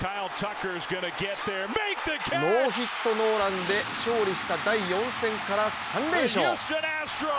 ノーヒットノーランで勝利した第４戦から３連勝。